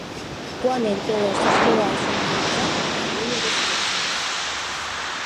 — Куанен пелештыш илалше механизатор, правлений гыч лекшыжла.